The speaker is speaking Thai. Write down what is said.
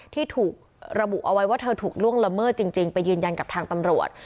ที่ถูกระบุเอาไว้ว่าเธอถูกล่วงละเมิดจริงไปยืนยันกับทางตำรวจ